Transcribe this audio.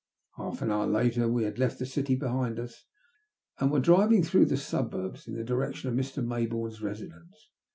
Half an hoar later we had left the city behind as, and were driving throagh the subarbs in the direction of Mr. Mayboame's residence.